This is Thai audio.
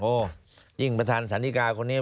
โอ้ยยิ่งประธานศาลิกาคนนี้